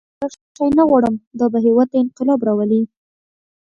نه دا شی نه غواړم دا به هېواد ته انقلاب راولي.